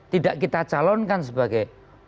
tidak kita calonkan sebagai